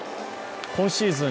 今シーズン